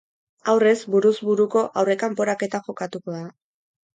Aurrez buruz-buruko aurrekanporaketa jokatuko da.